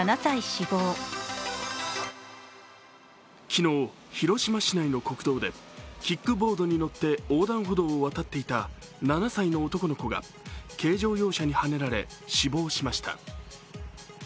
昨日、広島市内の国道でキックボードに乗って横断歩道を渡っていた７歳の男の子が軽乗用車にはねられ死亡しました。